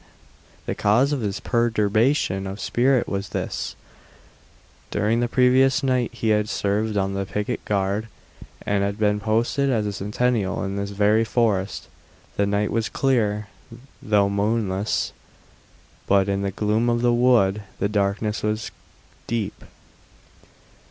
The cause of his perturbation of spirit was this: during the previous night he had served on the picket guard, and had been posted as a sentinel in this very forest. The night was clear, though moonless, but in the gloom of the wood the darkness was deep.